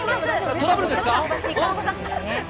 トラブルですか！